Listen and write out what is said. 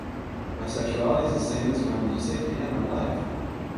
My sexuality is the same as my music and my life.